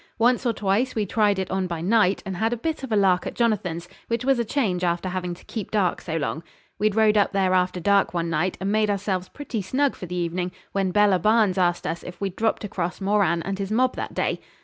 Once or twice we tried it on by night, and had a bit of a lark at Jonathan's, which was a change after having to keep dark so long. We'd rode up there after dark one night, and made ourselves pretty snug for the evening, when Bella Barnes asked us if we'd dropped across Moran and his mob that day.